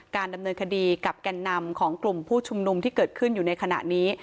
ดำเนินคดีกับแก่นนำของกลุ่มผู้ชุมนุมที่เกิดขึ้นอยู่ในขณะนี้